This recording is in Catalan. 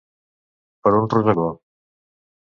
Per un rosegó.